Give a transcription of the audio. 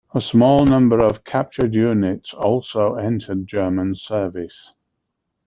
A small number of captured units also entered German service.